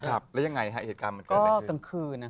แล้วยังไงเหตุการณ์เหมือนกัน